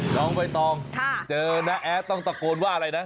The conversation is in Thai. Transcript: น้องใบตองเจอน้าแอดต้องตะโกนว่าอะไรนะ